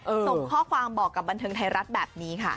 ส่งข้อความบอกกับบันเทิงไทยรัฐแบบนี้ค่ะ